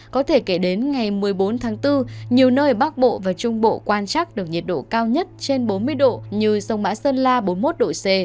có thể kể đến ngày một mươi bốn tháng bốn nhiều nơi bắc bộ và trung bộ quan trắc được nhiệt độ cao nhất trên bốn mươi độ như sông mã sơn la bốn mươi một độ c